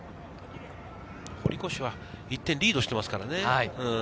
堀越は１点リードしていますからね。